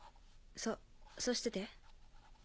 そうそうしてて。